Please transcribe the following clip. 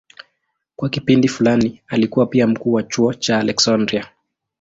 Kwa kipindi fulani alikuwa pia mkuu wa chuo cha Aleksandria.